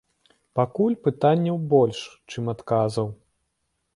Пакуль пытанняў больш, чым адказаў.